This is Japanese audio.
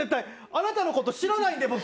あなたのこと知らないんで。